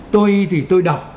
tôi thì tôi đọc